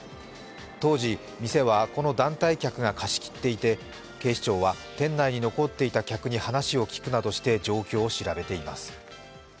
当時、店はこの団体客が貸し切っていて警視庁は店内に残っていた客に話を聞くなどして状況を調べています。